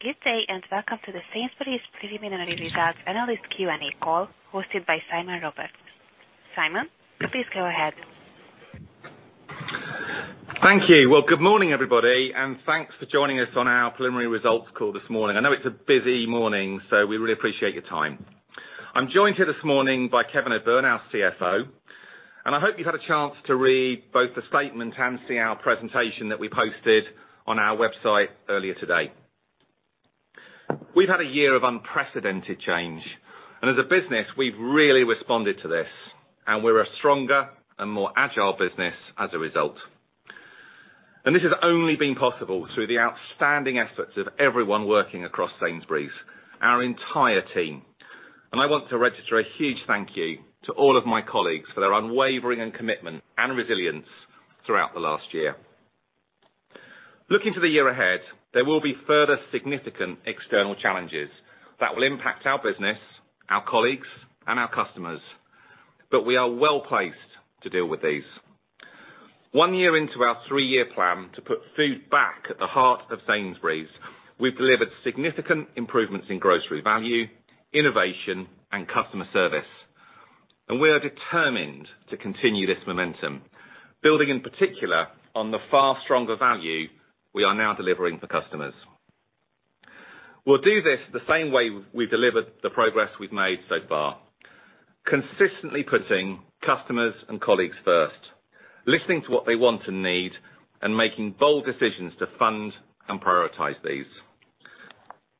Good day, and welcome to the Sainsbury's Preliminary Results Analyst Q&A call hosted by Simon Roberts. Simon, please go ahead. Thank you. Well, good morning, everybody, and thanks for joining us on our preliminary results call this morning. I know it's a busy morning, so we really appreciate your time. I'm joined here this morning by Kevin O'Byrne, our CFO, and I hope you've had a chance to read both the statement and see our presentation that we posted on our website earlier today. We've had a year of unprecedented change, and as a business, we've really responded to this, and we're a stronger and more agile business as a result. This has only been possible through the outstanding efforts of everyone working across Sainsbury's, our entire team. I want to register a huge thank you to all of my colleagues for their unwavering and commitment and resilience throughout the last year. Looking to the year ahead, there will be further significant external challenges that will impact our business, our colleagues, and our customers. We are well-placed to deal with these. One year into our three-year plan to put food back at the heart of Sainsbury's, we've delivered significant improvements in grocery value, innovation, and customer service. We are determined to continue this momentum, building in particular on the far stronger value we are now delivering for customers. We'll do this the same way we've delivered the progress we've made so far, consistently putting customers and colleagues first, listening to what they want and need, and making bold decisions to fund and prioritize these.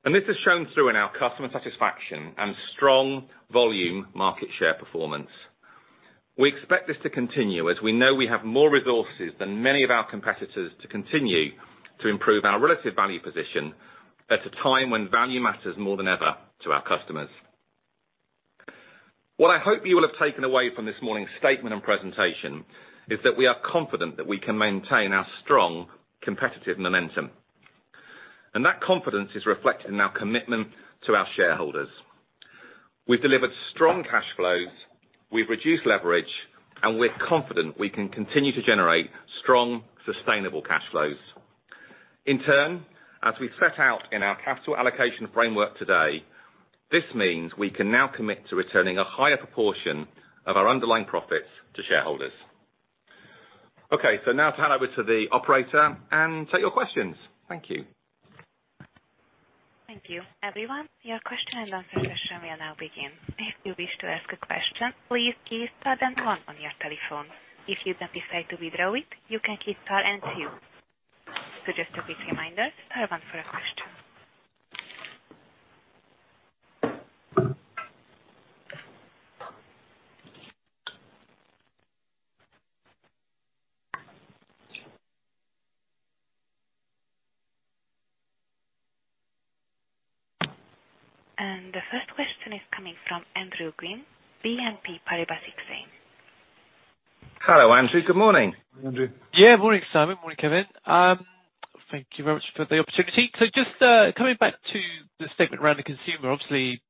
This is shown through in our customer satisfaction and strong volume market share performance. We expect this to continue as we know we have more resources than many of our competitors to continue to improve our relative value position at a time when value matters more than ever to our customers. What I hope you will have taken away from this morning's statement and presentation is that we are confident that we can maintain our strong competitive momentum. That confidence is reflected in our commitment to our shareholders. We've delivered strong cash flows, we've reduced leverage, and we're confident we can continue to generate strong, sustainable cash flows. In turn, as we set out in our capital allocation framework today, this means we can now commit to returning a higher proportion of our underlying profits to shareholders. Okay, now to hand over to the operator and take your questions. Thank you. Thank you. Everyone, your question and answer session will now begin. If you wish to ask a question, please key star then one on your telephone. If you decide to withdraw it, you can key star and two. So just a quick reminder, star one for a question. The first question is coming from Andrew Gwynn, BNP Paribas Exane. Hello, Andrew. Good morning. Andrew. Yeah. Morning, Simon. Morning, Kevin. Thank you very much for the opportunity. Just coming back to the statement around the consumer, obviously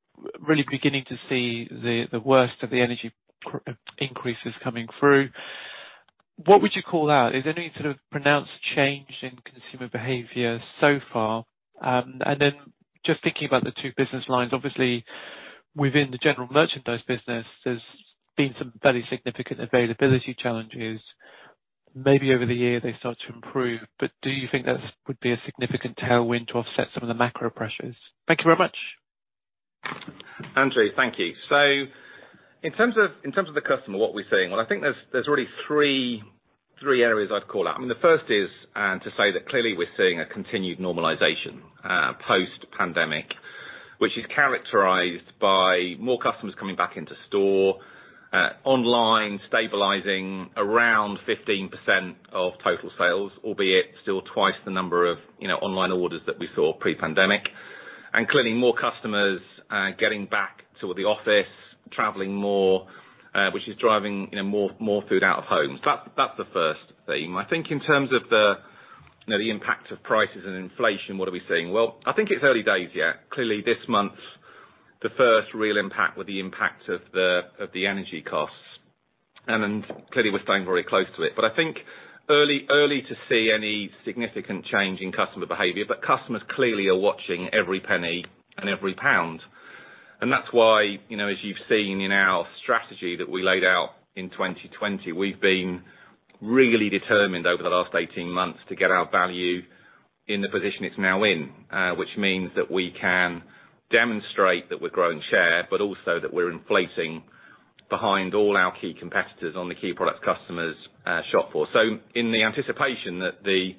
really beginning to see the worst of the energy cost increases coming through. What would you call out? Is there any sort of pronounced change in consumer behavior so far? Then just thinking about the two business lines, obviously within the general merchandise business, there's been some fairly significant availability challenges. Maybe over the year they start to improve, but do you think that would be a significant tailwind to offset some of the macro pressures? Thank you very much. Andrew, thank you. In terms of the customer, what we're seeing, well, I think there's really three areas I'd call out. I mean, the first is to say that clearly we're seeing a continued normalization post-pandemic, which is characterized by more customers coming back into store, online stabilizing around 15% of total sales, albeit still twice the number of, you know, online orders that we saw pre-pandemic. Clearly more customers getting back to the office, traveling more, which is driving, you know, more food out of homes. That's the first theme. I think in terms of the impact of prices and inflation, what are we seeing? Well, I think it's early days yet. Clearly this month's the first real impact of the energy costs, and clearly we're staying very close to it. I think early to see any significant change in customer behavior, but customers clearly are watching every penny and every pound. That's why, you know, as you've seen in our strategy that we laid out in 2020, we've been really determined over the last 18 months to get our value in the position it's now in, which means that we can demonstrate that we're growing share, but also that we're leading all our key competitors on the key products customers shop for. In the anticipation that the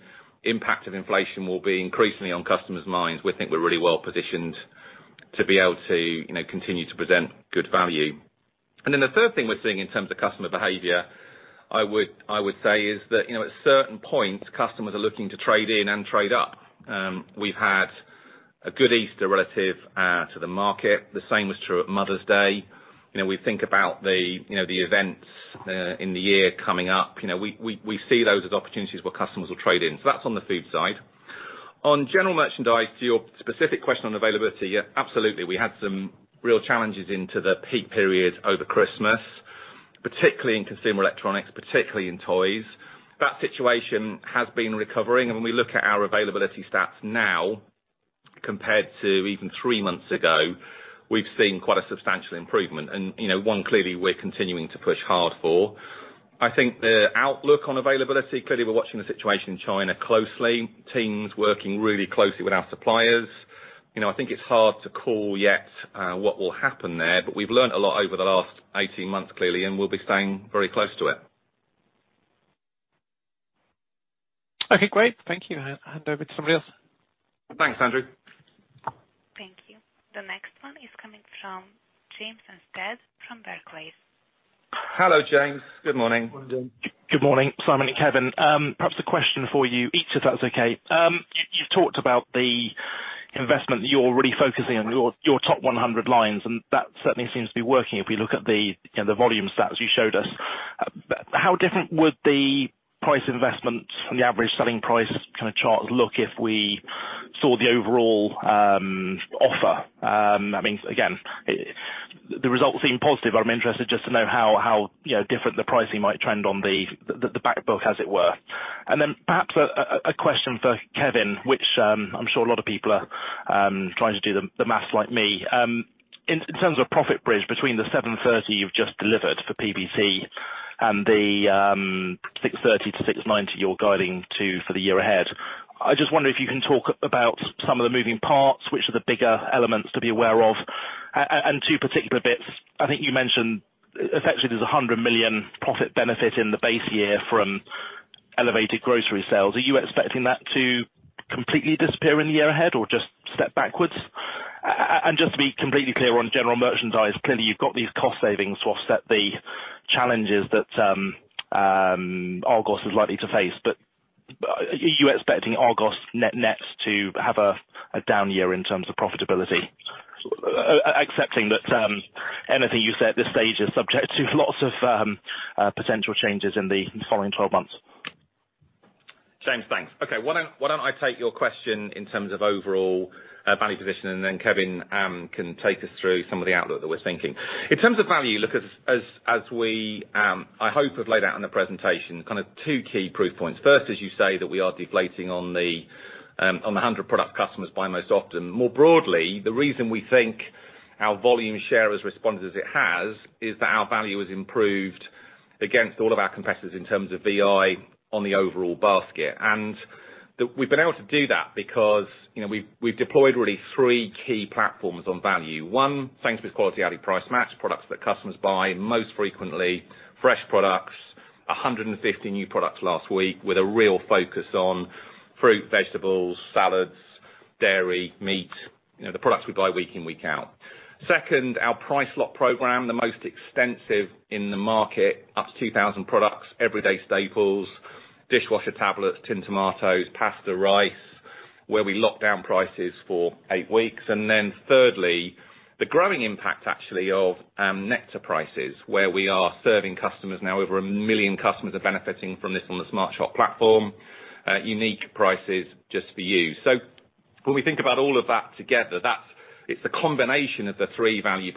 impact of inflation will be increasingly on customers' minds, we think we're really well-positioned to be able to, you know, continue to present good value. The third thing we're seeing in terms of customer behavior, I would say is that, you know, at certain points, customers are looking to trade in and trade up. We've had a good Easter relative to the market. The same was true at Mother's Day. You know, we think about the, you know, the events in the year coming up. You know, we see those as opportunities where customers will trade in. That's on the food side. On general merchandise, to your specific question on availability, yeah, absolutely, we had some real challenges into the peak period over Christmas. Particularly in consumer electronics, particularly in toys. That situation has been recovering, and when we look at our availability stats now compared to even three months ago, we've seen quite a substantial improvement. You know, one clearly we're continuing to push hard for. I think the outlook on availability, clearly we're watching the situation in China closely, teams working really closely with our suppliers. You know, I think it's hard to call yet, what will happen there, but we've learned a lot over the last 18 months, clearly, and we'll be staying very close to it. Okay, great. Thank you. I'll hand over to somebody else. Thanks, Andrew. Thank you. The next one is coming from James Anstead from Barclays. Hello, James. Good morning. Morning, James. Good morning, Simon and Kevin. Perhaps a question for you each, if that's okay. You've talked about the investment that you're really focusing on, your top 100 lines, and that certainly seems to be working if we look at the you know the volume stats you showed us. How different would the price investment from the average selling price kinda chart look if we saw the overall offer? I mean, again, the results seem positive. I'm interested just to know how you know different the pricing might trend on the back book, as it were. Perhaps a question for Kevin, which I'm sure a lot of people are trying to do the math like me. In terms of profit bridge between the 730 million you've just delivered for UPBT and the 630 million-690 million you're guiding to for the year ahead, I just wonder if you can talk about some of the moving parts, which are the bigger elements to be aware of. Two particular bits. I think you mentioned, effectively, there's a 100 million profit benefit in the base year from elevated grocery sales. Are you expecting that to completely disappear in the year ahead or just step backwards? Just to be completely clear on general merchandise, clearly you've got these cost savings to offset the challenges that Argos is likely to face. Are you expecting Argos net to have a down year in terms of profitability? Accepting that, anything you say at this stage is subject to lots of potential changes in the following 12 months. James, thanks. Okay. Why don't I take your question in terms of overall value position, and then Kevin can take us through some of the outlook that we're thinking. In terms of value, look, as we I hope have laid out in the presentation, kind of two key proof points. First, as you say, that we are deflating on the 100 product customers buy most often. More broadly, the reason we think our volume share has responded as it has is that our value has improved against all of our competitors in terms of VI on the overall basket. We've been able to do that because, you know, we've deployed really three key platforms on value. One, Sainsbury's Quality, Aldi price match products that customers buy most frequently, fresh products, 150 new products last week with a real focus on fruit, vegetables, salads, dairy, meat, you know, the products we buy week in, week out. Second, our Price Lock program, the most extensive in the market, up to 2,000 products, everyday staples, dishwasher tablets, tinned tomatoes, pasta, rice, where we lock down prices for eight weeks. Then thirdly, the growing impact actually of Nectar prices, where we are serving customers now. Over a million customers are benefiting from this on the SmartShop platform. Unique prices just for you. When we think about all of that together, that's it's the combination of the three value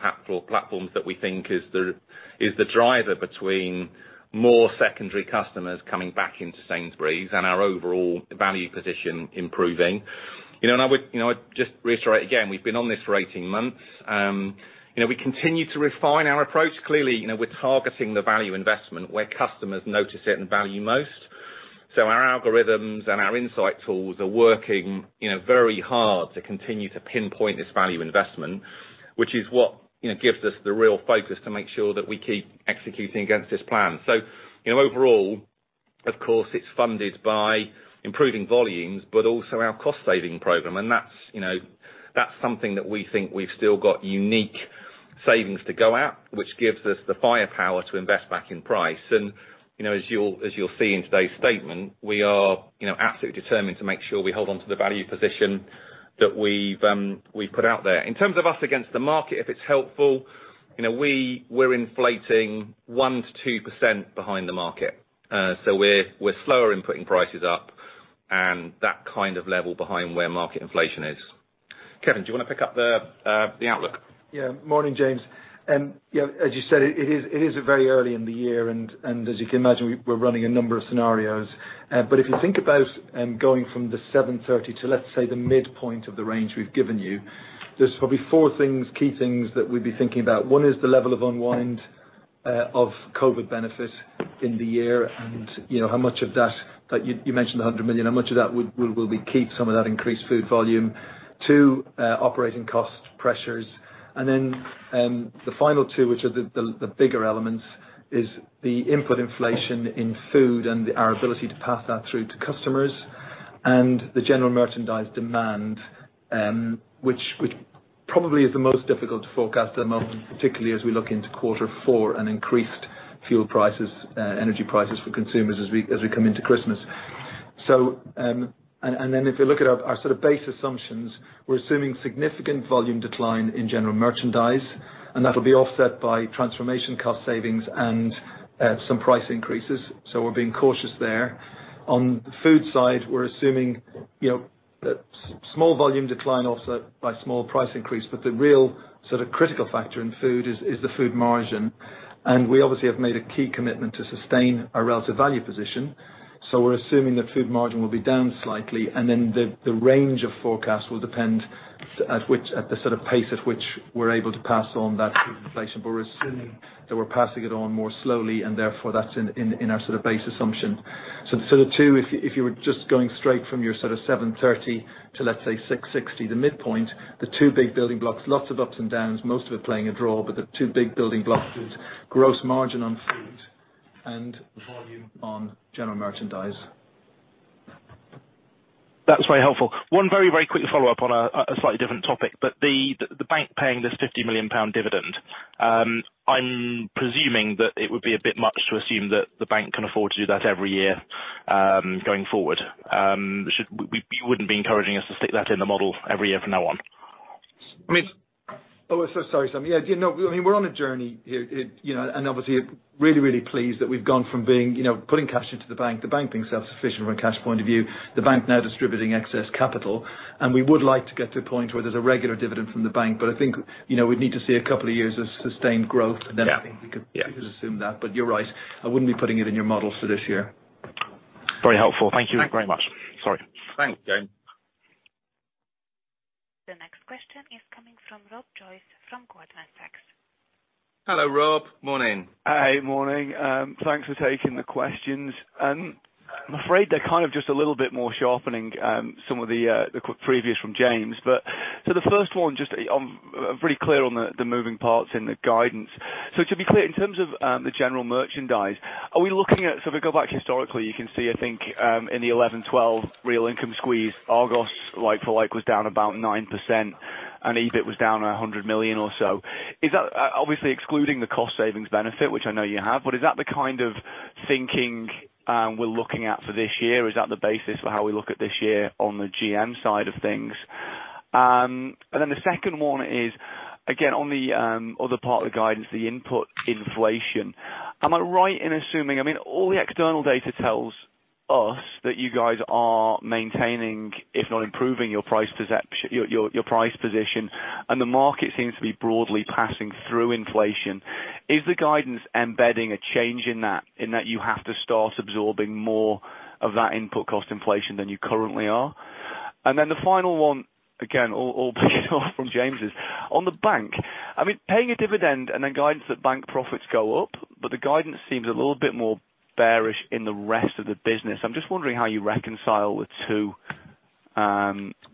platforms that we think is the driver between more secondary customers coming back into Sainsbury's and our overall value position improving. You know, I would, you know, I'd just reiterate again, we've been on this for 18 months. You know, we continue to refine our approach. Clearly, you know, we're targeting the value investment where customers notice it and value most. Our algorithms and our insight tools are working, you know, very hard to continue to pinpoint this value investment, which is what, you know, gives us the real focus to make sure that we keep executing against this plan. You know, overall, of course, it's funded by improving volumes, but also our cost saving program. That's, you know, that's something that we think we've still got unique savings to go at, which gives us the firepower to invest back in price. You know, as you'll see in today's statement, we are, you know, absolutely determined to make sure we hold on to the value position that we've we've put out there. In terms of us against the market, if it's helpful, you know, we're inflating 1%-2% behind the market. So we're slower in putting prices up and that kind of level behind where market inflation is. Kevin, do you wanna pick up the outlook? Yeah. Morning, James. Yeah, as you said, it is very early in the year, and as you can imagine, we're running a number of scenarios. If you think about going from the 730 to, let's say, the midpoint of the range we've given you, there's probably four things, key things that we'd be thinking about. One is the level of unwind of COVID benefits in the year and, you know, how much of that you mentioned the 100 million, how much of that will we keep some of that increased food volume. Two, operating cost pressures. The final two, which are the bigger elements, is the input inflation in food and our ability to pass that through to customers and the general merchandise demand, which probably is the most difficult to forecast at the moment, particularly as we look into quarter four and increased fuel prices, energy prices for consumers as we come into Christmas. If you look at our sort of base assumptions, we're assuming significant volume decline in general merchandise, and that'll be offset by transformation cost savings and some price increases. We're being cautious there. On the food side, we're assuming, you know, small volume decline offset by small price increase, but the real sort of critical factor in food is the food margin. We obviously have made a key commitment to sustain our relative value position. We're assuming the food margin will be down slightly, and then the range of forecast will depend at the sort of pace at which we're able to pass on that food inflation. We're assuming that we're passing it on more slowly, and therefore that's in our sort of base assumption. The sort of two, if you were just going straight from your sort of 730 million to, let's say 660 million, the midpoint, the two big building blocks, lots of ups and downs, most of it playing a draw, but the two big building blocks is gross margin on food and volume on general merchandise. That's very helpful. One very quick follow-up on a slightly different topic, but the bank paying this 50 million pound dividend, I'm presuming that it would be a bit much to assume that the bank can afford to do that every year, going forward. You wouldn't be encouraging us to stick that in the model every year from now on? I mean, oh, so sorry. Yeah, you know, I mean, we're on a journey here, you know, and obviously really, really pleased that we've gone from being, you know, putting cash into the bank, the bank being self-sufficient from a cash point of view, the bank now distributing excess capital. We would like to get to a point where there's a regular dividend from the bank, but I think, you know, we'd need to see a couple of years of sustained growth. Yeah. I think we could. Yeah. We could assume that. You're right, I wouldn't be putting it in your models for this year. Very helpful. Thank you very much. Sorry. Thanks, James. The next question is coming from Rob Joyce from Goldman Sachs. Hello, Rob. Morning. Hey, morning. Thanks for taking the questions. I'm afraid they're kind of just a little bit more sharpening some of the previous from James. The first one, just on. I'm pretty clear on the moving parts and the guidance. To be clear, in terms of the general merchandise, are we looking at, so if we go back historically, you can see, I think, in the 11, 12 real income squeeze, Argos like for like was down about 9% and EBIT was down 100 million or so. Is that. Obviously excluding the cost savings benefit, which I know you have, but is that the kind of thinking we're looking at for this year? Is that the basis for how we look at this year on the GM side of things? The second one is, again, on the other part of the guidance, the input inflation. Am I right in assuming, I mean, all the external data tells us that you guys are maintaining, if not improving, your price position, and the market seems to be broadly passing through inflation. Is the guidance embedding a change in that you have to start absorbing more of that input cost inflation than you currently are? The final one, again, all kicking off from James', is on the bank. I mean, paying a dividend and then guidance that bank profits go up, but the guidance seems a little bit more bearish in the rest of the business. I'm just wondering how you reconcile the two,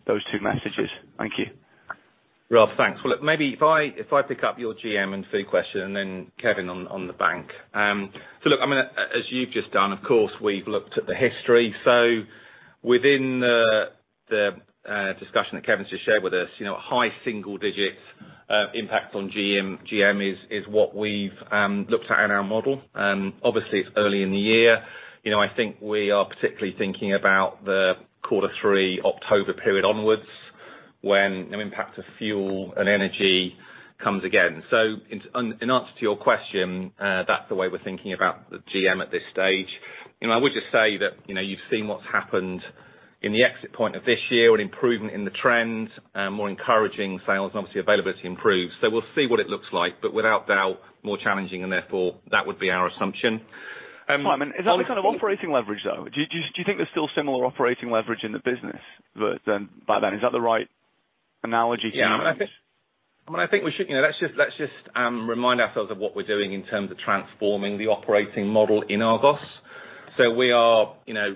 those two messages. Thank you. Rob, thanks. Well, look, maybe I pick up your GM and food question and then Kevin on the bank. Look, I mean, as you've just done, of course, we've looked at the history. Within the discussion that Kevin's just shared with us, you know, high single digits impact on GM is what we've looked at in our model. Obviously, it's early in the year. You know, I think we are particularly thinking about the quarter three, October period onwards, when the impact of fuel and energy comes again. In answer to your question, that's the way we're thinking about the GM at this stage. You know, I would just say that, you know, you've seen what's happened in the exit point of this year, an improvement in the trend, more encouraging sales, and obviously availability improves. We'll see what it looks like, but without doubt, more challenging and therefore that would be our assumption. Simon, is that the kind of operating leverage, though? Do you think there's still similar operating leverage in the business than back then? Is that the right analogy to make? Yeah, I mean, I think we should, you know, let's just remind ourselves of what we're doing in terms of transforming the operating model in Argos. We are, you know,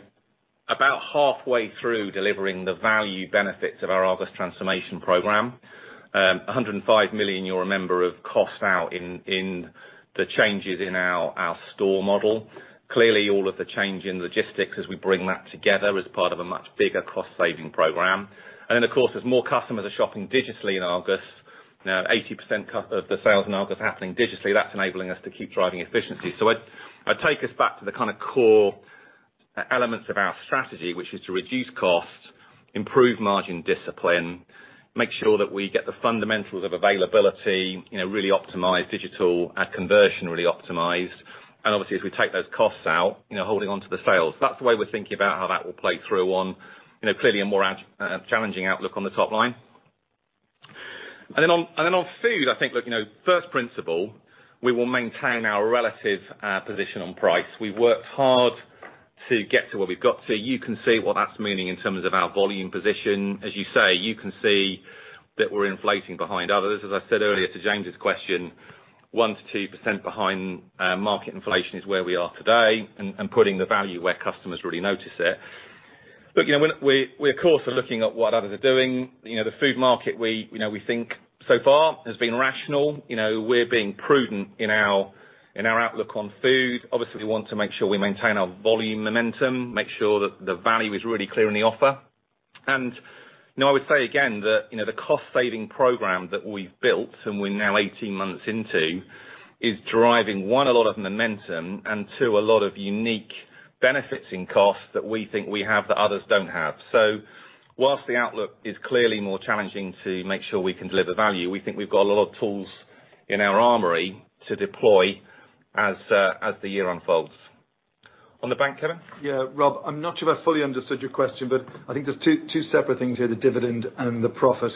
about halfway through delivering the value benefits of our Argos transformation program. 105 million of cost out in the changes in our store model. Clearly, all of the change in logistics as we bring that together as part of a much bigger cost-saving program. Of course, more customers are shopping digitally in Argos. Now, 80% of the sales in Argos are happening digitally. That's enabling us to keep driving efficiency. I'd take us back to the kind of core elements of our strategy, which is to reduce costs, improve margin discipline, make sure that we get the fundamentals of availability, you know, really optimize digital, our conversion really optimized. Obviously, as we take those costs out, you know, holding onto the sales. That's the way we're thinking about how that will play through on, you know, clearly a more challenging outlook on the top line. Then on food, I think, look, you know, first principle, we will maintain our relative position on price. We've worked hard to get to where we've got to. You can see what that means in terms of our volume position. As you say, you can see that we're inflating behind others. As I said earlier to James' question, 1%-2% behind market inflation is where we are today, and putting the value where customers really notice it. Look, you know, we're of course are looking at what others are doing. You know, the food market we, you know, we think so far has been rational. You know, we're being prudent in our outlook on food. Obviously, we want to make sure we maintain our volume momentum, make sure that the value is really clear in the offer. You know, I would say again that, you know, the cost-saving program that we've built and we're now 18 months into is driving, one, a lot of momentum, and two, a lot of unique benefits in costs that we think we have that others don't have. While the outlook is clearly more challenging to make sure we can deliver value, we think we've got a lot of tools in our armory to deploy as the year unfolds. On the bank, Kevin? Yeah. Rob, I'm not sure I fully understood your question, but I think there's two separate things here, the dividend and the profit.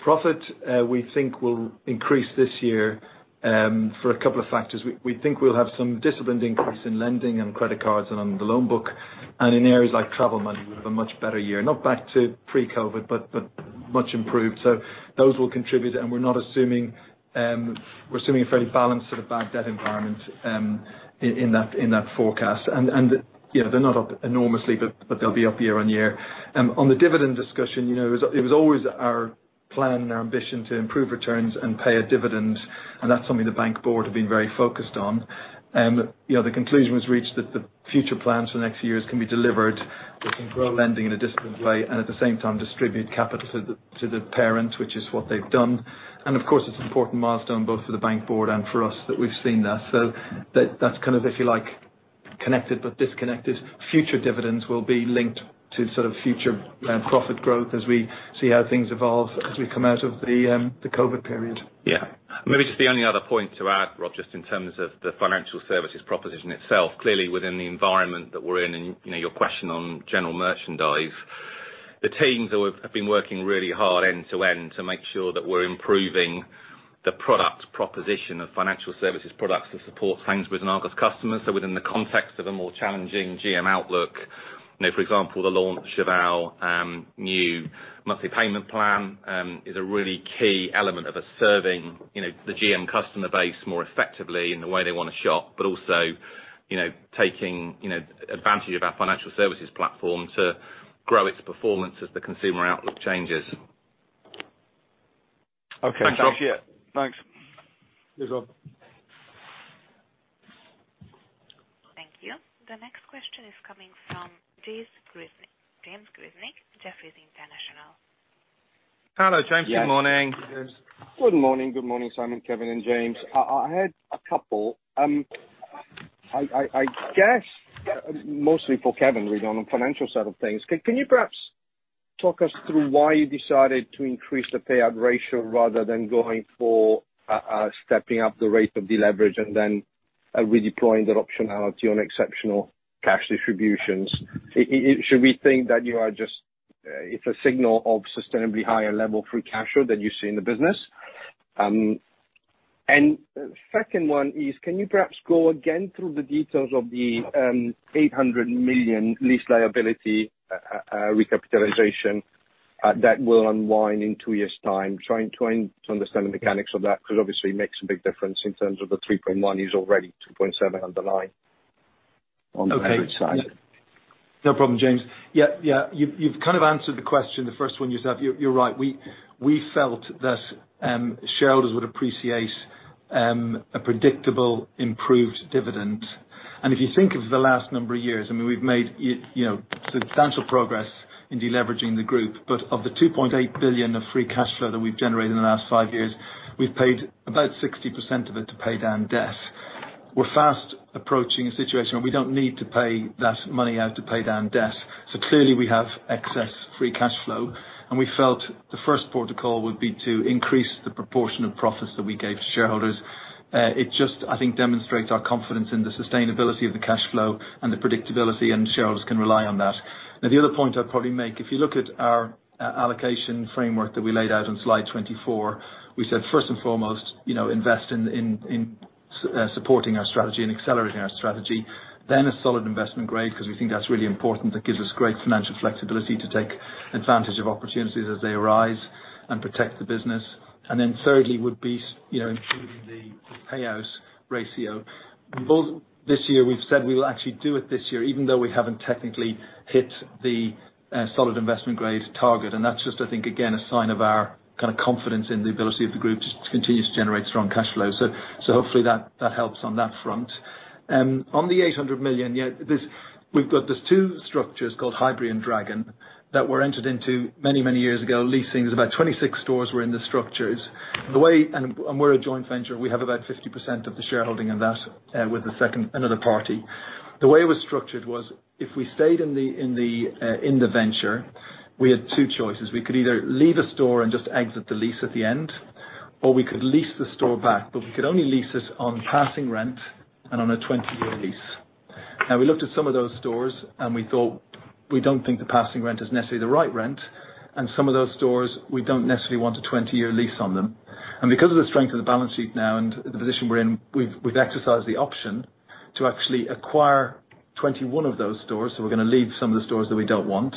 Profit, we think will increase this year, for a couple of factors. We think we'll have some disciplined increase in lending and credit cards and on the loan book. In areas like travel money, we'll have a much better year, not back to pre-COVID, but much improved. Those will contribute, and we're assuming a fairly balanced sort of bad debt environment, in that forecast. You know, they're not up enormously, but they'll be up year-over-year. On the dividend discussion, you know, it was always our plan and our ambition to improve returns and pay a dividend, and that's something the bank board have been very focused on. You know, the conclusion was reached that the future plans for the next few years can be delivered. We can grow lending in a disciplined way, and at the same time distribute capital to the parent, which is what they've done. Of course it's important milestone both for the bank board and for us that we've seen that. That, that's kind of, if you like, connected but disconnected. Future dividends will be linked to sort of future profit growth as we see how things evolve as we come out of the COVID period. Yeah. Maybe just the only other point to add, Rob, just in terms of the financial services proposition itself. Clearly, within the environment that we're in and, you know, your question on general merchandise, the teams have been working really hard end to end to make sure that we're improving the product proposition of financial services products to support things with Argos customers. So within the context of a more challenging GM outlook, you know, for example, the launch of our new monthly payment plan is a really key element of us serving, you know, the GM customer base more effectively in the way they wanna shop. But also, you know, taking, you know, advantage of our financial services platform to grow its performance as the consumer outlook changes. Okay. Thanks, Rob. Appreciate it. Thanks. Cheers, Rob. Thank you. The next question is coming from James Grzinic, Jefferies International. Hello, James. Good morning. Yes. Good morning. Good morning. Good morning, Simon, Kevin, and James. I had a couple, I guess mostly for Kevin really on the financial side of things. Can you perhaps talk us through why you decided to increase the payout ratio rather than going for stepping up the rate of deleverage and then redeploying that optionality on exceptional cash distributions? Should we think that it's a signal of sustainably higher level free cash flow than you see in the business? And second one is, can you perhaps go again through the details of the 800 million lease liability recapitalization that will unwind in two years' time? Trying to understand the mechanics of that, 'cause obviously it makes a big difference in terms of the 3.1% is already 2.7% underlying on the average side. Okay. No problem, James. Yeah. You've kind of answered the question, the first one you said. You're right. We felt that shareholders would appreciate a predictable improved dividend. If you think of the last number of years, I mean, we've made you know substantial progress in deleveraging the group. Of the 2.8 billion of free cash flow that we've generated in the last five years, we've paid about 60% of it to pay down debt. We're fast approaching a situation where we don't need to pay that money out to pay down debt. Clearly we have excess free cash flow, and we felt the first port of call would be to increase the proportion of profits that we gave to shareholders. It just, I think, demonstrates our confidence in the sustainability of the cash flow and the predictability, and shareholders can rely on that. Now, the other point I'd probably make, if you look at our allocation framework that we laid out on slide 24, we said, first and foremost, you know, invest in supporting our strategy and accelerating our strategy. Then a solid investment grade, 'cause we think that's really important, that gives us great financial flexibility to take advantage of opportunities as they arise and protect the business. Then thirdly would be, you know, improving the payout ratio. This year, we've said we will actually do it this year, even though we haven't technically hit the solid investment grade target. That's just, I think, again, a sign of our kind of confidence in the ability of the group to continue to generate strong cash flow. Hopefully that helps on that front. On the 800 million, we've got these two structures called Highbury and Dragon that were entered into many years ago. Leasing, there's about 26 stores in the structures. We're a joint venture, we have about 50% of the shareholding in that with another party. The way it was structured was if we stayed in the venture, we had two choices. We could either leave a store and just exit the lease at the end, or we could lease the store back, but we could only lease this on passing rent and on a 20-year lease. Now, we looked at some of those stores and we thought, we don't think the passing rent is necessarily the right rent, and some of those stores, we don't necessarily want a 20-year lease on them. Because of the strength of the balance sheet now and the position we're in, we've exercised the option to actually acquire 21 of those stores. We're gonna leave some of the stores that we don't want.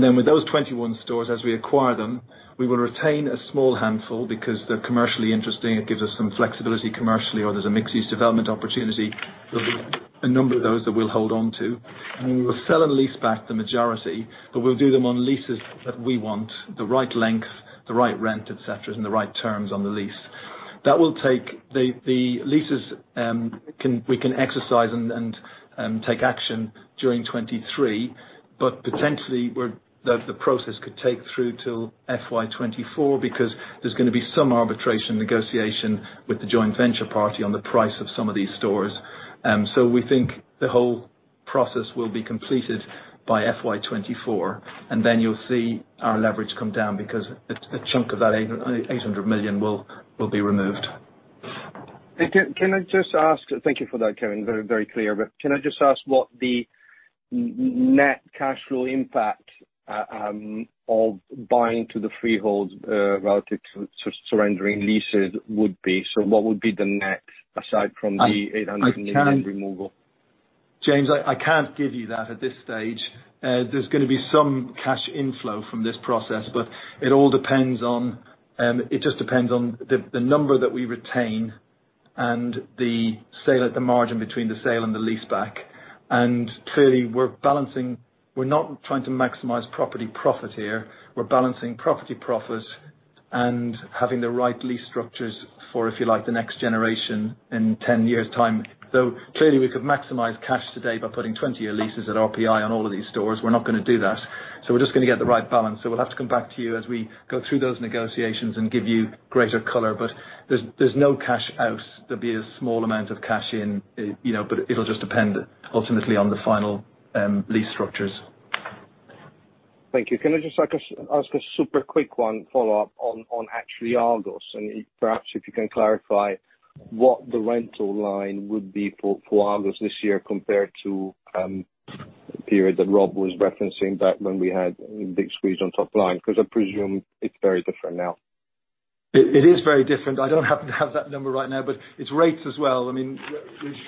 Then with those 21 stores, as we acquire them, we will retain a small handful because they're commercially interesting. It gives us some flexibility commercially or there's a mixed-use development opportunity. There'll be a number of those that we'll hold on to, and we will sell and lease back the majority, but we'll do them on leases that we want, the right length, the right rent, et cetera, and the right terms on the lease. That will take the leases we can exercise and take action during 2023, but potentially where the process could take through till FY 2024 because there's gonna be some arbitration negotiation with the joint venture party on the price of some of these stores. We think the whole process will be completed by FY 2024, and then you'll see our leverage come down because a chunk of that 800 million will be removed. Thank you for that, Kevin. Very clear. Can I just ask what the net cash flow impact of buying out the freeholds relative to surrendering leases would be? What would be the net, aside from the 800 million removal? James, I can't give you that at this stage. There's gonna be some cash inflow from this process, but it all depends on it just depends on the number that we retain and the sale at the margin between the sale and the leaseback. Clearly, we're balancing. We're not trying to maximize property profit here. We're balancing property profit and having the right lease structures for, if you like, the next generation in 10 years' time. Clearly we could maximize cash today by putting 20-year leases at RPI on all of these stores. We're not gonna do that. We're just gonna get the right balance. We'll have to come back to you as we go through those negotiations and give you greater color, but there's no cash out. There'll be a small amount of cash in, you know, but it'll just depend ultimately on the final lease structures. Thank you. Can I just ask a super quick one follow-up on actually Argos, and perhaps if you can clarify what the rental line would be for Argos this year compared to the period that Rob was referencing back when we had a big squeeze on top line? 'Cause I presume it's very different now. It is very different. I don't happen to have that number right now, but it's rates as well. I mean,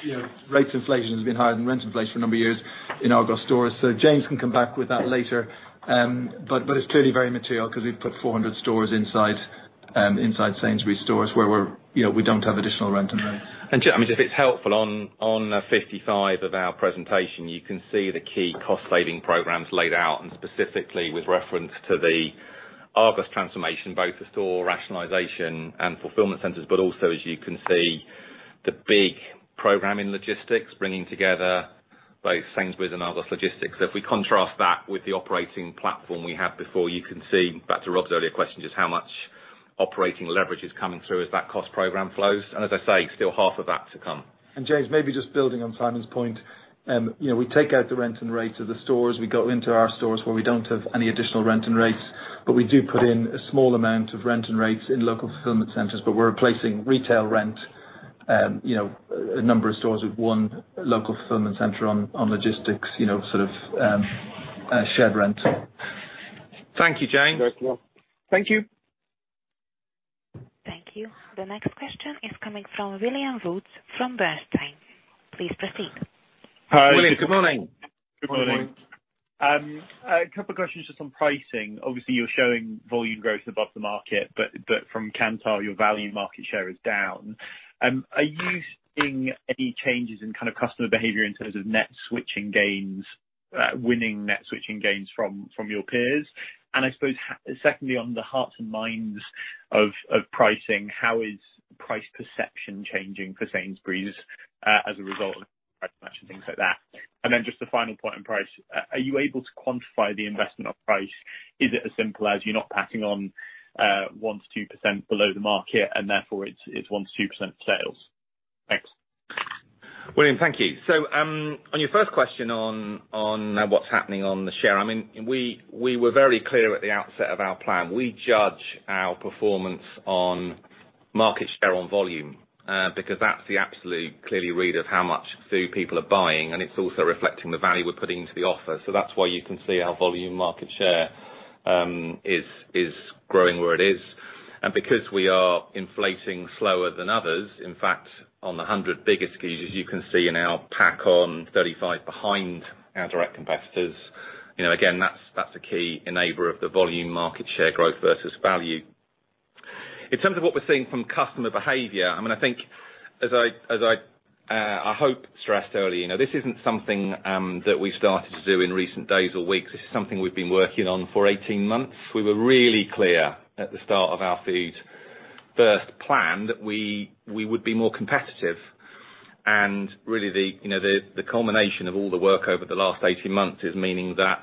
you know, rates inflation has been higher than rent inflation for a number of years in Argos stores. James can come back with that later. It's clearly very material because we've put 400 stores inside Sainsbury's stores where we're, you know, we don't have additional rent and rates. James, if it's helpful, on 55 of our presentation, you can see the key cost saving programs laid out and specifically with reference to the Argos transformation, both the store rationalization and fulfillment centers, but also as you can see, the big program in logistics, bringing together both Sainsbury's and Argos logistics. If we contrast that with the operating platform we had before, you can see, back to Rob's earlier question, just how much operating leverage is coming through as that cost program flows. As I say, still half of that to come. James, maybe just building on Simon's point. You know, we take out the rent and rates of the stores. We go into our stores where we don't have any additional rent and rates, but we do put in a small amount of rent and rates in local fulfillment centers, but we're replacing retail rent, you know, a number of stores with one local fulfillment center on logistics, you know, sort of, shared rent. Thank you, James. Very well. Thank you. Thank you. The next question is coming from William Woods from Bernstein. Please proceed. William, good morning. Good morning. Good morning. A couple of questions just on pricing. Obviously, you're showing volume growth above the market, but from Kantar, your value market share is down. Are you seeing any changes in kind of customer behavior in terms of net switching gains, winning net switching gains from your peers? I suppose, secondly, on the hearts and minds of pricing, how is price perception changing for Sainsbury's as a result of price match and things like that? Then just a final point on price. Are you able to quantify the investment on price? Is it as simple as you're not passing on 1%-2% below the market and therefore it's 1%-2% sales? Thanks. William, thank you. On your first question on what's happening on the share, I mean, we were very clear at the outset of our plan. We judge our performance on market share on volume, because that's the absolute clearly read of how much food people are buying, and it's also reflecting the value we're putting into the offer. That's why you can see our volume market share is growing where it is. Because we are inflating slower than others, in fact, on the 100 biggest SKUs, as you can see in our pack on 35 behind our direct competitors, you know, again, that's a key enabler of the volume market share growth versus value. In terms of what we're seeing from customer behavior, I mean, I think as I I hope stressed early, you know, this isn't something that we started to do in recent days or weeks. This is something we've been working on for 18 months. We were really clear at the start of our food-first plan that we would be more competitive. Really the, you know, culmination of all the work over the last 18 months is meaning that,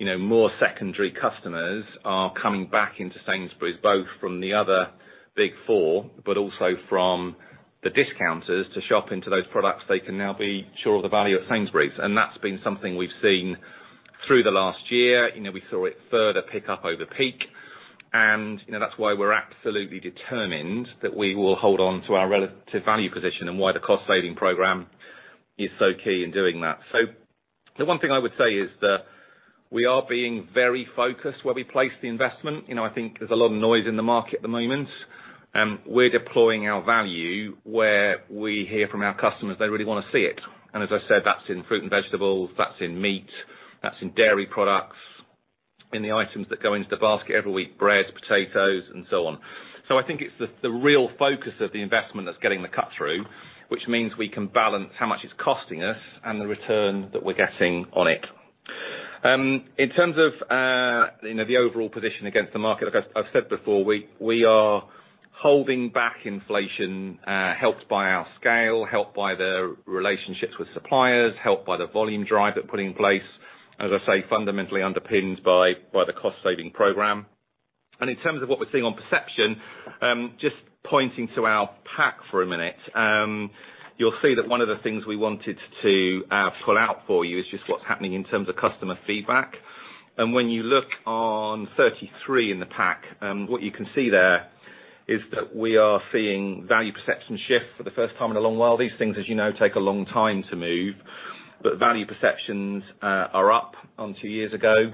you know, more secondary customers are coming back into Sainsbury's, both from the other big four, but also from the discounters to shop into those products they can now be sure of the value at Sainsbury's. That's been something we've seen through the last year. You know, we saw it further pick up over peak. You know, that's why we're absolutely determined that we will hold on to our relative value position and why the cost saving program is so key in doing that. The one thing I would say is that we are being very focused where we place the investment. You know, I think there's a lot of noise in the market at the moment. We're deploying our value where we hear from our customers they really wanna see it. As I said, that's in fruit and vegetables, that's in meat, that's in dairy products, in the items that go into the basket every week, bread, potatoes and so on. I think it's the real focus of the investment that's getting the cut-through, which means we can balance how much it's costing us and the return that we're getting on it. In terms of, you know, the overall position against the market, like I've said before, we are holding back inflation, helped by our scale, helped by the relationships with suppliers, helped by the volume drive that we're putting in place, as I say, fundamentally underpinned by the cost saving program. In terms of what we're seeing on perception, just pointing to our pack for a minute, you'll see that one of the things we wanted to pull out for you is just what's happening in terms of customer feedback. When you look on 33 in the pack, what you can see there is that we are seeing value perception shift for the first time in a long while. These things, as you know, take a long time to move. Value perceptions are up on two years ago.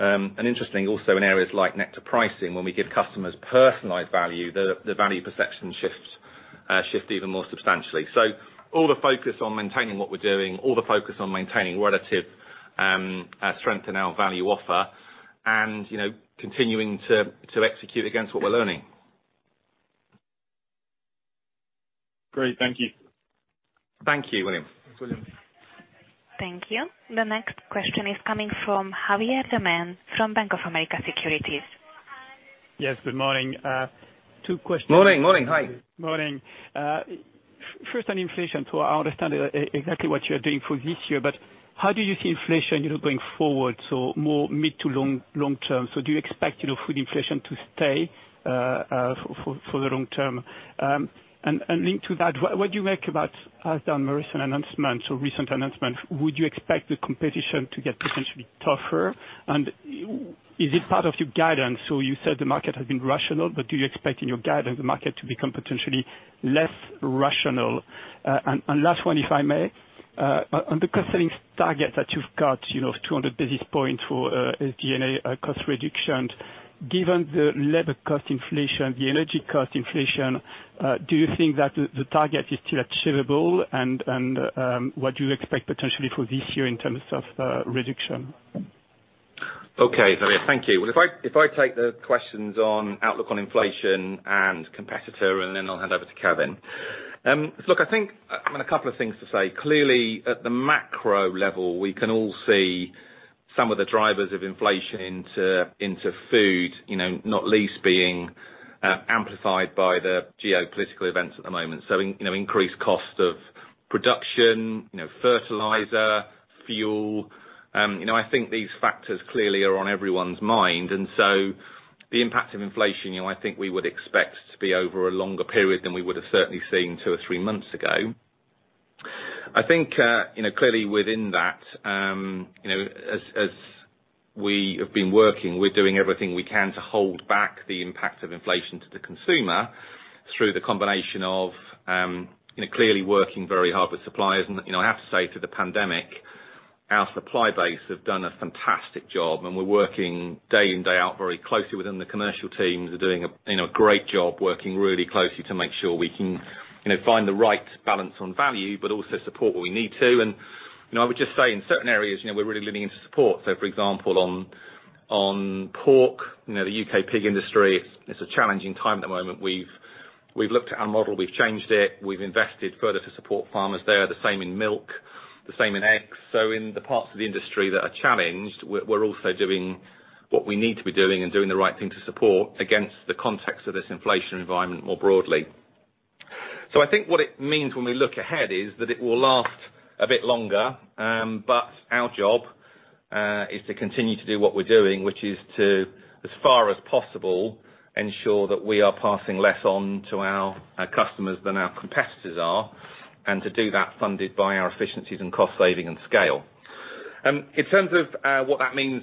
Interesting also in areas like Nectar pricing, when we give customers personalized value, the value perception shifts even more substantially. All the focus on maintaining what we're doing, all the focus on maintaining relative strength in our value offer and, you know, continuing to execute against what we're learning. Great. Thank you. Thank you, William. Thanks, William. Thank you. The next question is coming from Javier Deman from Bank of America Securities. Yes, good morning. Two questions. Morning, morning. Hi. Morning. First on inflation. I understand exactly what you're doing for this year, but how do you see inflation, you know, going forward, so more mid to long term? Do you expect, you know, food inflation to stay for the long term? And linked to that, what do you make about Asda and Morrisons' recent announcement? Would you expect the competition to get potentially tougher? And is it part of your guidance? You said the market has been rational, but do you expect in your guidance the market to become potentially less rational? And last one, if I may, on the cost savings target that you've got, you know, 200 basis points for SG&A cost reduction. Given the labor cost inflation, the energy cost inflation, do you think that the target is still achievable? What do you expect potentially for this year in terms of reduction? Okay. Very well. Thank you. Well, if I take the questions on outlook on inflation and competitor, and then I'll hand over to Kevin. Look, I think I've a couple of things to say. Clearly, at the macro level, we can all see some of the drivers of inflation into food, you know, not least being amplified by the geopolitical events at the moment. You know, increased cost of production, you know, fertilizer, fuel. You know, I think these factors clearly are on everyone's mind. The impact of inflation, you know, I think we would expect to be over a longer period than we would have certainly seen two or three months ago. I think you know, clearly within that, you know, as we have been working, we're doing everything we can to hold back the impact of inflation to the consumer through the combination of, you know, clearly working very hard with suppliers. You know, I have to say, through the pandemic, our supply base have done a fantastic job, and we're working day in, day out very closely with them. The commercial teams are doing, you know, a great job working really closely to make sure we can, you know, find the right balance on value but also support what we need to. You know, I would just say in certain areas, you know, we're really leaning into support. For example, on pork, you know, the UK pig industry, it's a challenging time at the moment. We've looked at our model, we've changed it, we've invested further to support farmers there. The same in milk, the same in eggs. In the parts of the industry that are challenged, we're also doing what we need to be doing and doing the right thing to support against the context of this inflation environment more broadly. I think what it means when we look ahead is that it will last a bit longer, but our job is to continue to do what we're doing, which is to, as far as possible, ensure that we are passing less on to our customers than our competitors are, and to do that funded by our efficiencies and cost saving and scale. In terms of what that means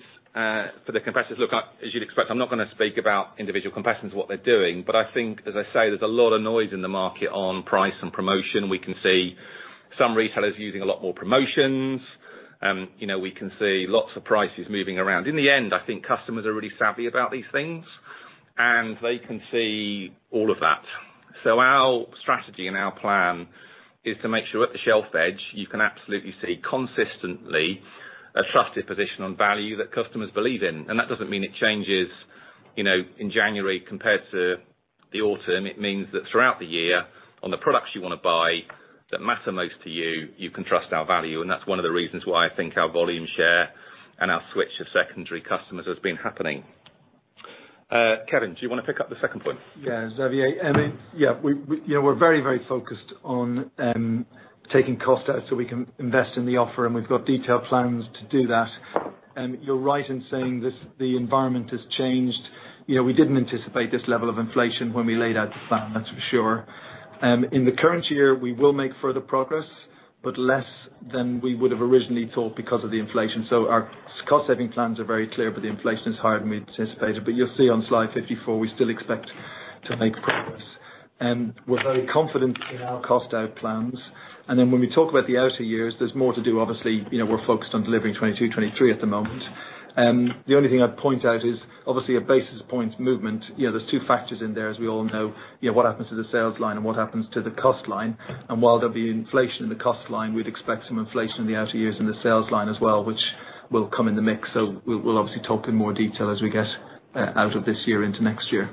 for the competitors. Look, as you'd expect, I'm not gonna speak about individual competitors and what they're doing, but I think, as I say, there's a lot of noise in the market on price and promotion. We can see some retailers using a lot more promotions. You know, we can see lots of prices moving around. In the end, I think customers are really savvy about these things, and they can see all of that. Our strategy and our plan is to make sure at the shelf edge, you can absolutely see consistently a trusted position on value that customers believe in. That doesn't mean it changes, you know, in January compared to the autumn. It means that throughout the year, on the products you wanna buy that matter most to you can trust our value. That's one of the reasons why I think our volume share and our switch to secondary customers has been happening. Kevin, do you wanna pick up the second point? Yeah, Javier Deman. I mean, we, you know, we're very, very focused on taking costs out so we can invest in the offer, and we've got detailed plans to do that. You're right in saying this, the environment has changed. You know, we didn't anticipate this level of inflation when we laid out the plan, that's for sure. In the current year, we will make further progress, but less than we would have originally thought because of the inflation. Our cost saving plans are very clear, but the inflation is higher than we anticipated. You'll see on slide 54, we still expect to make progress. We're very confident in our cost out plans. Then when we talk about the outer years, there's more to do. Obviously, you know, we're focused on delivering 2022, 2023 at the moment. The only thing I'd point out is obviously a basis points movement. You know, there's two factors in there, as we all know. You know, what happens to the sales line and what happens to the cost line. While there'll be inflation in the cost line, we'd expect some inflation in the outer years in the sales line as well, which will come in the mix. We'll obviously talk in more detail as we get out of this year into next year.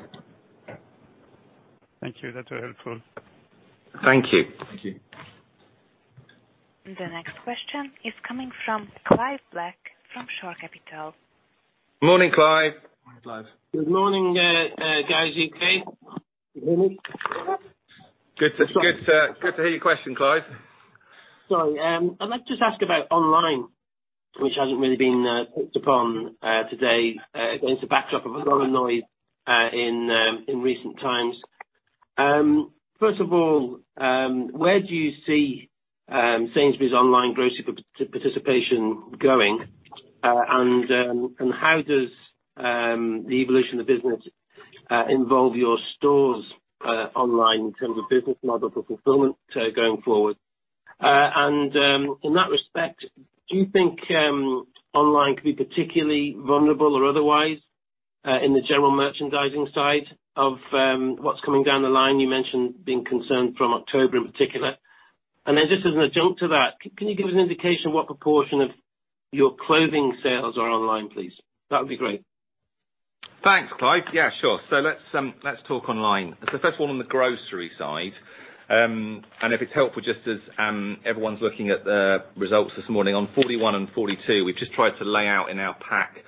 Thank you. That's very helpful. Thank you. Thank you. The next question is coming from Clive Black from Shore Capital. Morning, Clive. Morning, Clive. Good morning, guys, UK. Can you hear me? Good to hear your question, Clive. Sorry. I'd like to just ask about online, which hasn't really been touched upon today, against the backdrop of a lot of noise in recent times. First of all, where do you see Sainsbury's online grocery participation going? And how does the evolution of the business involve your stores online in terms of business model for fulfillment going forward? In that respect, do you think online could be particularly vulnerable or otherwise in the general merchandising side of what's coming down the line? You mentioned being concerned from October in particular. Just as an adjunct to that, can you give us an indication of what proportion of your clothing sales are online, please? That would be great. Thanks, Clive. Yeah, sure. Let's talk online. First of all, on the grocery side, and if it's helpful, just as everyone's looking at the results this morning, on 41 and 42, we've just tried to lay out in our pack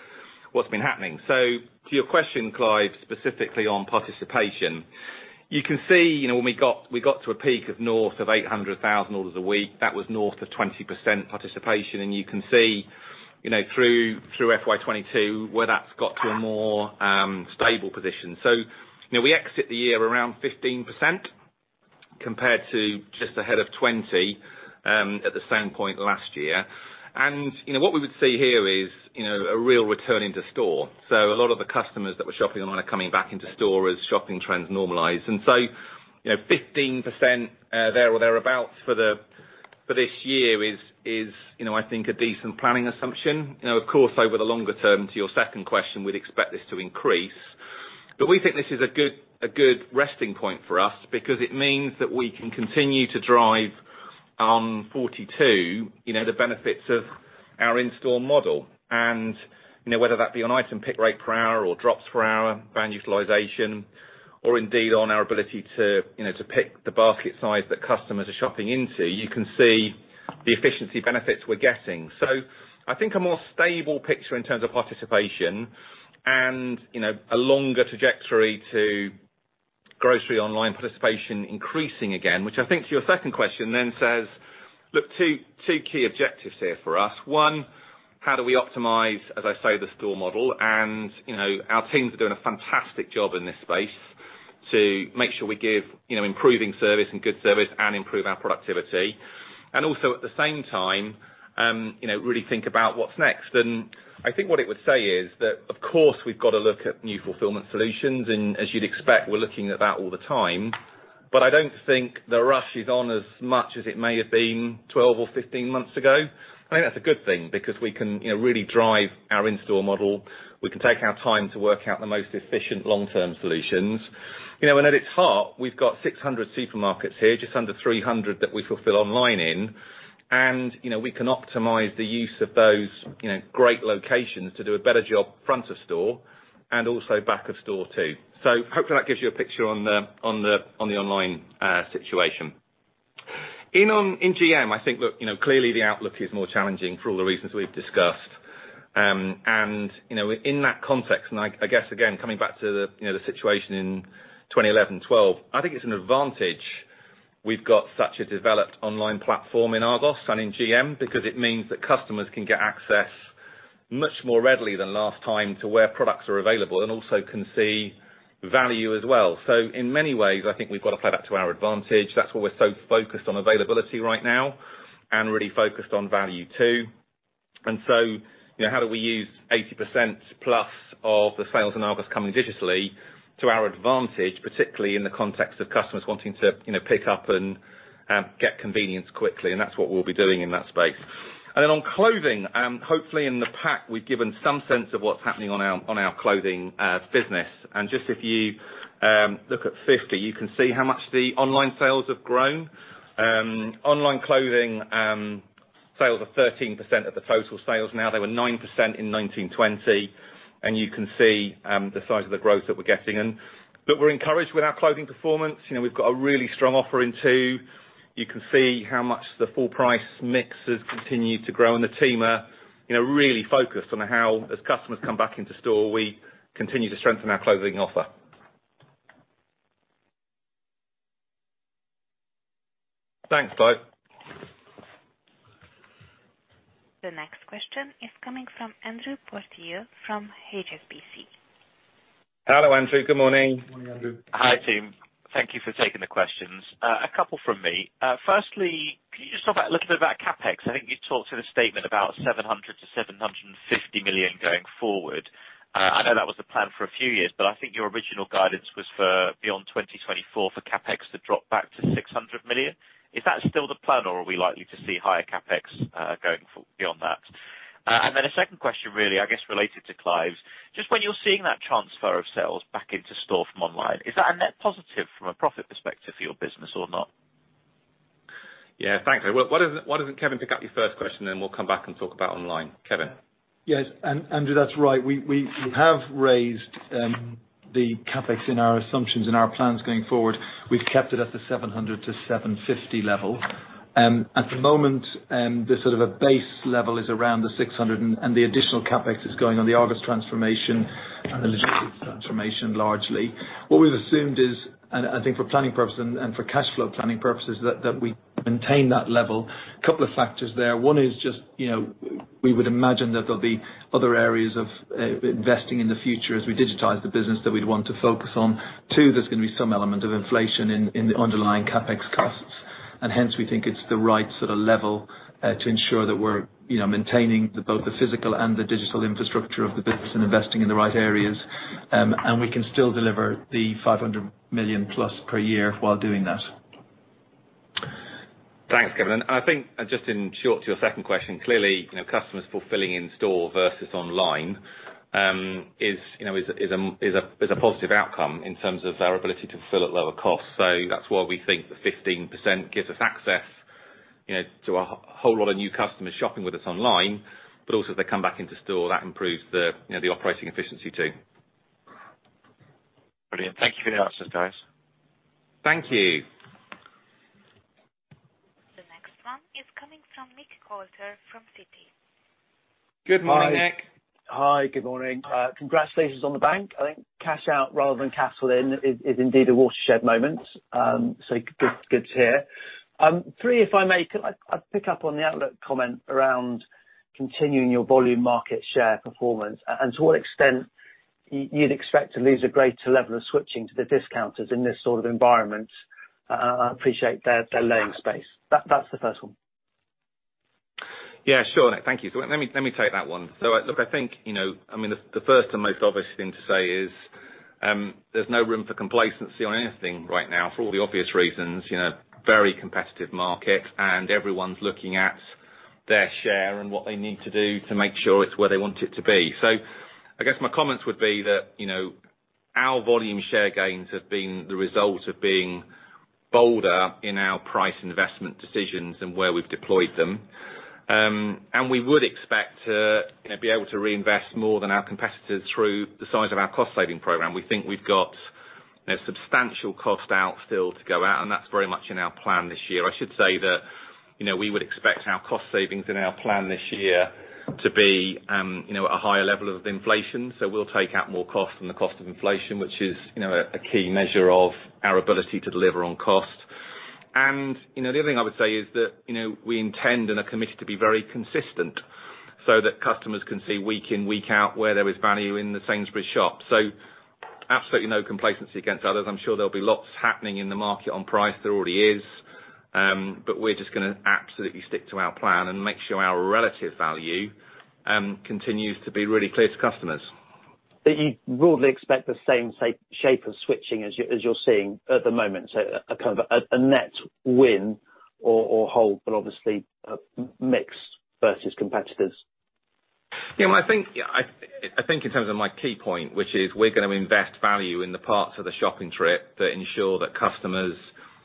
what's been happening. To your question, Clive, specifically on participation, you can see, you know, when we got to a peak of north of 800,000 orders a week, that was north of 20% participation, and you can see, you know, through FY 2022, where that's got to a more stable position. You know, we exit the year around 15% compared to just ahead of 20% at the same point last year. What we would see here is, you know, a real return to store. A lot of the customers that were shopping online are coming back into store as shopping trends normalize. You know, 15%, there or thereabouts for this year is you know, I think a decent planning assumption. You know, of course, over the longer term, to your second question, we'd expect this to increase. We think this is a good resting point for us because it means that we can continue to drive on 42, you know, the benefits of our in-store model, and, you know, whether that be on item pick rate per hour or drops per hour, van utilization, or indeed on our ability to, you know, to pick the basket size that customers are shopping into, you can see the efficiency benefits we're getting. I think a more stable picture in terms of participation and, you know, a longer trajectory to grocery online participation increasing again, which I think to your second question then says, look, two key objectives here for us. One, how do we optimize, as I say, the store model and, you know, our teams are doing a fantastic job in this space to make sure we give, you know, improving service and good service and improve our productivity. Also at the same time, you know, really think about what's next. I think what it would say is that, of course, we've got to look at new fulfillment solutions and as you'd expect, we're looking at that all the time. I don't think the rush is on as much as it may have been 12 or 15 months ago. I think that's a good thing because we can, you know, really drive our in-store model. We can take our time to work out the most efficient long-term solutions. You know, at its heart, we've got 600 supermarkets here, just under 300 that we fulfill online in. You know, we can optimize the use of those, you know, great locations to do a better job front of store and also back of store, too. Hopefully that gives you a picture on the online situation. In GM, I think, look, you know, clearly the outlook is more challenging for all the reasons we've discussed. You know, in that context, I guess again, coming back to the situation in 2011, 2012, I think it's an advantage we've got such a developed online platform in Argos and in GM because it means that customers can get access much more readily than last time to where products are available and also can see value as well. In many ways, I think we've got to play that to our advantage. That's why we're so focused on availability right now and really focused on value too. You know, how do we use 80%+ of the sales in Argos coming digitally to our advantage, particularly in the context of customers wanting to, you know, pick up and get convenience quickly, and that's what we'll be doing in that space. On clothing, hopefully in the pack, we've given some sense of what's happening on our clothing business. Just if you look at page 50, you can see how much the online sales have grown. Online clothing sales are 13% of the total sales now. They were 9% in 2019/2020. You can see the size of the growth that we're getting. We're encouraged with our clothing performance. You know, we've got a really strong offer in Tu. You can see how much the full price mix has continued to grow, and the team are, you know, really focused on how as customers come back into store, we continue to strengthen our clothing offer. Thanks, Clive. The next question is coming from Andrew Porteous from HSBC. Hello, Andrew. Good morning. Morning, Andrew. Hi, team. Thank you for taking the questions. A couple from me. Firstly, can you just talk a little bit about CapEx? I think you talked in a statement about 700 million-750 million going forward. I know that was the plan for a few years, but I think your original guidance was for beyond 2024 for CapEx to drop back to 600 million. Is that still the plan, or are we likely to see higher CapEx going beyond that? A second question, really, I guess, related to Clive's. Just when you're seeing that transfer of sales back into store from online, is that a net positive from a profit perspective for your business or not? Yeah, thanks. Well, why doesn't Kevin pick up your first question, then we'll come back and talk about online. Kevin. Yes, Andrew, that's right. We have raised the CapEx in our assumptions, in our plans going forward. We've kept it at the 700 million-750 million level. At the moment, the sort of a base level is around 600 million and the additional CapEx is going on the Argos transformation and the logistics transformation largely. What we've assumed is, and I think for planning purposes and for cash flow planning purposes, that we maintain that level. A couple of factors there. One is just, you know, we would imagine that there'll be other areas of investing in the future as we digitize the business that we'd want to focus on. Two, there's gonna be some element of inflation in the underlying CapEx costs, and hence we think it's the right sort of level to ensure that we're, you know, maintaining both the physical and the digital infrastructure of the business and investing in the right areas. We can still deliver 500 million plus per year while doing that. Thanks, Kevin. I think just in short to your second question, clearly, you know, customers fulfilling in store versus online is a positive outcome in terms of our ability to fulfill at lower cost. That's why we think the 15% gives us access, you know, to a whole lot of new customers shopping with us online. Also, as they come back into store, that improves the, you know, operating efficiency too. Brilliant. Thank you for your answers, guys. Thank you. The next one is coming from Nick Coulter from Citi. Good morning, Nick. Hi. Good morning. Congratulations on the bank. I think cash out rather than cash in is indeed a watershed moment. Good to hear. Three, if I may, I'd pick up on the outlook comment around continuing your volume market share performance, and to what extent you'd expect to lose a greater level of switching to the discounters in this sort of environment. Appreciate their own space. That's the first one. Yeah, sure, Nick. Thank you. Let me take that one. Look, I think, you know, I mean, the first and most obvious thing to say is, there's no room for complacency on anything right now, for all the obvious reasons, you know, very competitive market, and everyone's looking at their share and what they need to do to make sure it's where they want it to be. I guess my comments would be that, you know, our volume share gains have been the result of being bolder in our price investment decisions and where we've deployed them. And we would expect to, you know, be able to reinvest more than our competitors through the size of our cost saving program. We think we've got a substantial cost out still to go out, and that's very much in our plan this year. I should say that, you know, we would expect our cost savings in our plan this year to be, you know, at a higher level of inflation. We'll take out more cost from the cost of inflation, which is, you know, a key measure of our ability to deliver on cost. You know, the other thing I would say is that, you know, we intend and are committed to be very consistent so that customers can see week in, week out, where there is value in the Sainsbury's shop. Absolutely no complacency against others. I'm sure there'll be lots happening in the market on price. There already is. We're just gonna absolutely stick to our plan and make sure our relative value continues to be really clear to customers. You broadly expect the same shape of switching as you're seeing at the moment. A kind of a net win or hold, but obviously a mix versus competitors. Yeah, well, I think in terms of my key point, which is we're gonna invest value in the parts of the shopping trip that ensure that customers,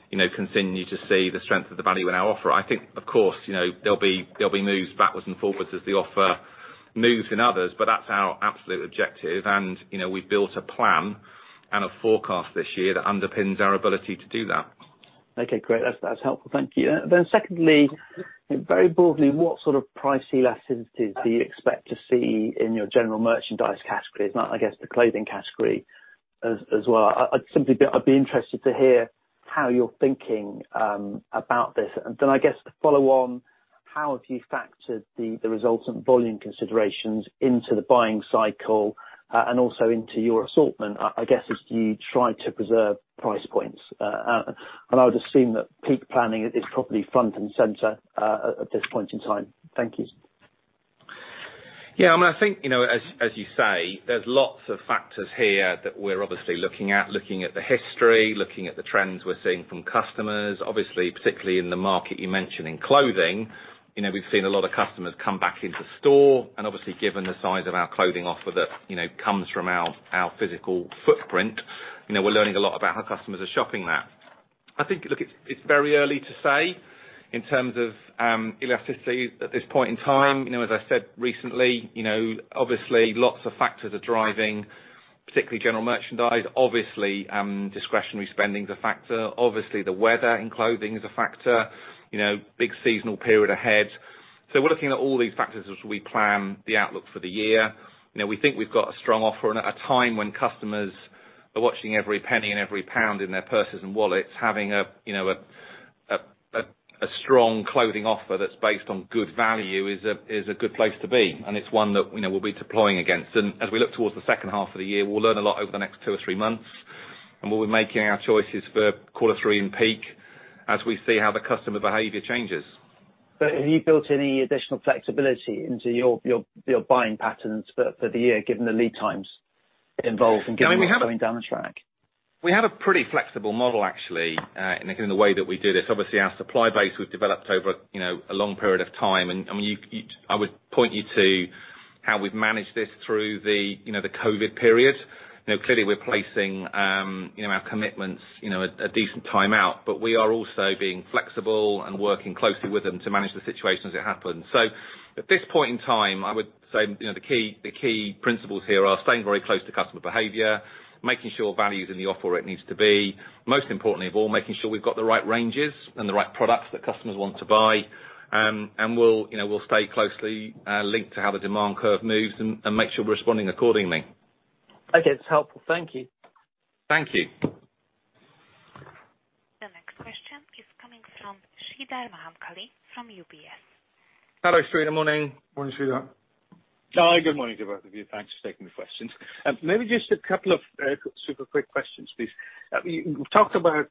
you know, continue to see the strength of the value in our offer. I think of course, you know, there'll be moves backwards and forwards as the offer moves in others, but that's our absolute objective. You know, we've built a plan and a forecast this year that underpins our ability to do that. Okay, great. That's helpful. Thank you. Secondly, very broadly, what sort of price elasticity do you expect to see in your general merchandise category? It's not, I guess, the clothing category as well. I'd be interested to hear how you're thinking about this. I guess to follow on, how have you factored the results and volume considerations into the buying cycle, and also into your assortment, I guess, as you try to preserve price points? I would assume that peak planning is probably front and center at this point in time. Thank you. Yeah, I mean, I think, you know, as you say, there's lots of factors here that we're obviously looking at, looking at the history, looking at the trends we're seeing from customers. Obviously, particularly in the market you mention in clothing, you know, we've seen a lot of customers come back into store, and obviously given the size of our clothing offer that, you know, comes from our physical footprint, you know, we're learning a lot about how customers are shopping that. I think, look, it's very early to say in terms of elasticity at this point in time. You know, as I said recently, you know, obviously lots of factors are driving, particularly general merchandise. Obviously, discretionary spending is a factor. Obviously, the weather in clothing is a factor, you know, big seasonal period ahead. We're looking at all these factors as we plan the outlook for the year. You know, we think we've got a strong offer and at a time when customers are watching every penny and every pound in their purses and wallets, having a, you know, strong clothing offer that's based on good value is a good place to be, and it's one that, you know, we'll be deploying against. As we look towards the second half of the year, we'll learn a lot over the next two or three months, and we'll be making our choices for quarter three and peak as we see how the customer behavior changes. Have you built any additional flexibility into your buying patterns for the year, given the lead times involved and given what's going down the track? We have a pretty flexible model actually in the way that we do this. Obviously, our supply base we've developed over, you know, a long period of time. I mean, I would point you to how we've managed this through the, you know, the COVID period. You know, clearly we're placing you know our commitments, you know, a decent time out, but we are also being flexible and working closely with them to manage the situation as it happens. At this point in time, I would say, you know, the key principles here are staying very close to customer behavior, making sure value is in the offer where it needs to be, most importantly of all, making sure we've got the right ranges and the right products that customers want to buy. We'll, you know, stay closely linked to how the demand curve moves and make sure we're responding accordingly. Okay, that's helpful. Thank you. Thank you. The next question is coming from Sreedhar Mahamkali from UBS. Hello, Sreedhar. Morning. Morning, Sreedhar. Good morning to both of you. Thanks for taking the questions. Maybe just a couple of super quick questions, please. You've talked about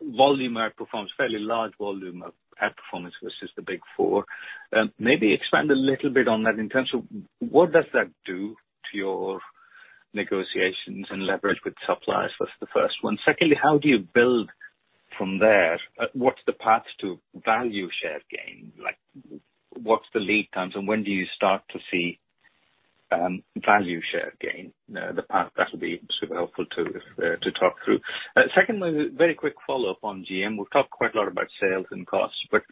volume outperformance, fairly large volume of outperformance versus the big four. Maybe expand a little bit on that in terms of what does that do to your negotiations and leverage with suppliers? That's the first one. Secondly, how do you build from there? What's the path to value share gain? Like what's the lead times, and when do you start to see value share gain? The path, that'll be super helpful to talk through. Secondly, very quick follow-up on GM. We've talked quite a lot about sales and costs, but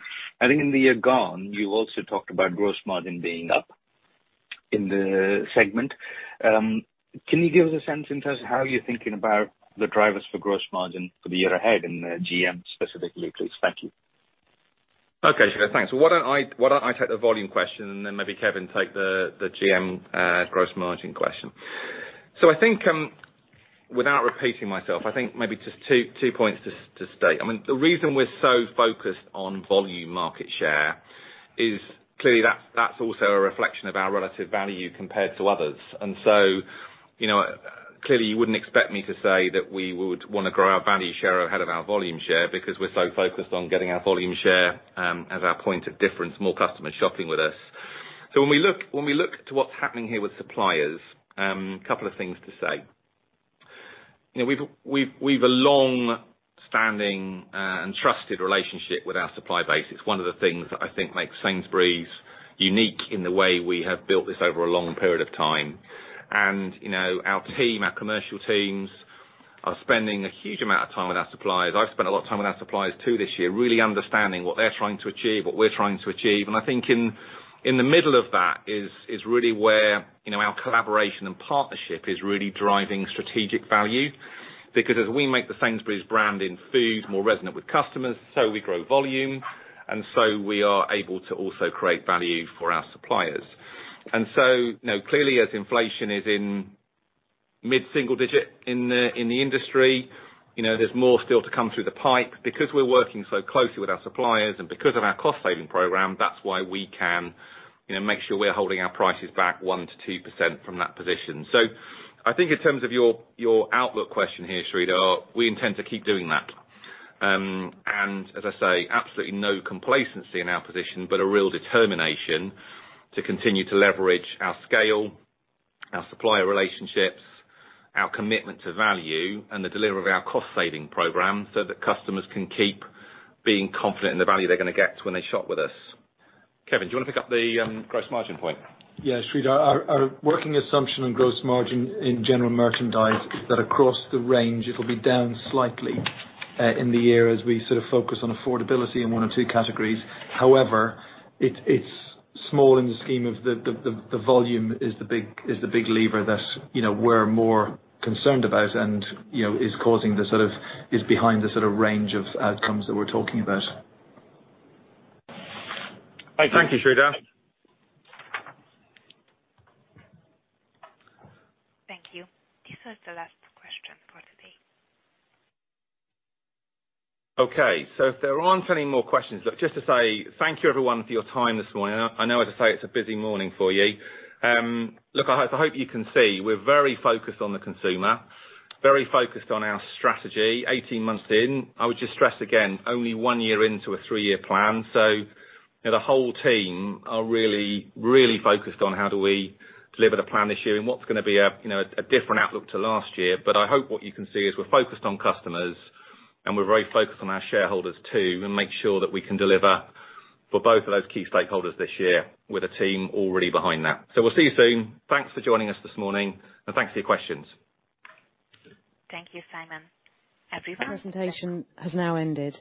I think in the year gone, you also talked about gross margin being up in the segment. Can you give us a sense in terms of how you're thinking about the drivers for gross margin for the year ahead in GM specifically, please? Thank you. Okay, Sreedhar, thanks. Why don't I take the volume question, and then maybe Kevin take the GM, gross margin question. I think, without repeating myself, I think maybe just two points to state. I mean, the reason we're so focused on volume market share is clearly that's also a reflection of our relative value compared to others. You know, clearly, you wouldn't expect me to say that we would wanna grow our value share ahead of our volume share because we're so focused on getting our volume share, as our point of difference, more customers shopping with us. When we look to what's happening here with suppliers, couple of things to say. You know, we've a long-standing and trusted relationship with our supply base. It's one of the things that I think makes Sainsbury's unique in the way we have built this over a long period of time. You know, our team, our commercial teams are spending a huge amount of time with our suppliers. I've spent a lot of time with our suppliers too this year, really understanding what they're trying to achieve, what we're trying to achieve. I think in the middle of that is really where, you know, our collaboration and partnership is really driving strategic value. Because as we make the Sainsbury's brand in food more resonant with customers, so we grow volume, and so we are able to also create value for our suppliers. You know, clearly as inflation is in mid-single digit in the industry, you know, there's more still to come through the pipe. Because we're working so closely with our suppliers and because of our cost saving program, that's why we can, you know, make sure we're holding our prices back 1%-2% from that position. I think in terms of your outlook question here, Sreedhar, we intend to keep doing that. As I say, absolutely no complacency in our position, but a real determination to continue to leverage our scale, our supplier relationships, our commitment to value, and the delivery of our cost saving program, so that customers can keep being confident in the value they're gonna get when they shop with us. Kevin, do you wanna pick up the gross margin point? Yeah, Sreedhar. Our working assumption on gross margin in general merchandise is that across the range, it'll be down slightly in the year as we sort of focus on affordability in one or two categories. However, it's small in the scheme of the volume is the big lever that, you know, we're more concerned about and, you know, is behind the sort of range of outcomes that we're talking about. Thank you. Thank you, Sreedhar. Thank you. This was the last question for today. If there aren't any more questions, look, just to say thank you everyone for your time this morning. I know as I say, it's a busy morning for you. Look, I hope you can see we're very focused on the consumer, very focused on our strategy 18 months in. I would just stress again, only one year into a three-year plan, you know, the whole team are really focused on how do we deliver the plan this year in what's gonna be a, you know, a different outlook to last year. I hope what you can see is we're focused on customers, and we're very focused on our shareholders too, and make sure that we can deliver for both of those key stakeholders this year with a team already behind that. We'll see you soon. Thanks for joining us this morning, and thanks for your questions. Thank you, Simon. The presentation has now ended.